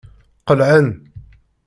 Qelɛen.